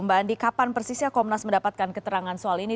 mbak andi kapan persisnya komnas mendapatkan keterangan soal ini